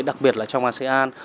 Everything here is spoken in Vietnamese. đặc biệt là trong asean